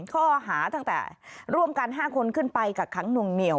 ข้อหาตั้งแต่ร่วมกัน๕คนขึ้นไปกักขังหน่วงเหนียว